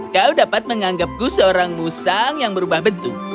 kau dapat menganggapku seorang musang yang berubah bentuk